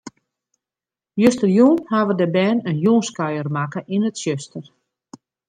Justerjûn hawwe de bern in jûnskuier makke yn it tsjuster.